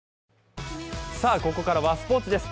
さあ、ここからはスポーツです。